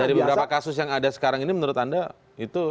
dari beberapa kasus yang ada sekarang ini menurut anda itu